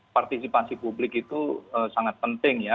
partisipasi publik itu sangat penting ya